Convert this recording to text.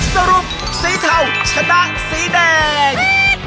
สรุปซีเทาชนะซีแดง